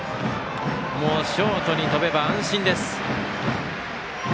もうショートに飛べば安心です。